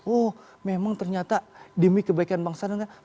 oh memang ternyata demi kebaikan bangsa dan negara